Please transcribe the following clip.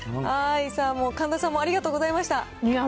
もう神田さんもありがとうございいや